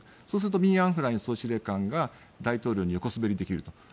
そうするとミン・アウン・フライン総司令官が大統領に横滑りできると。